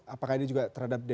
apakah ini juga terhadap